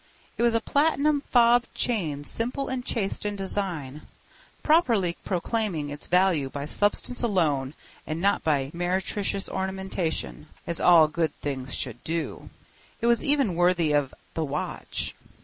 It was a platinum fob chain simple and chaste in design, properly proclaiming its value by substance alone and not by meretricious ornamentation—as all good things should do. It was even worthy of The Watch.